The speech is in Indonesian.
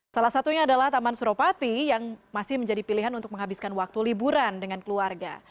salah satunya adalah taman suropati yang masih menjadi pilihan untuk menghabiskan waktu liburan dengan keluarga